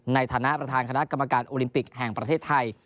ในฐานะประธานคณะกรรมการโอลิมปิกแห่งประเทศไทย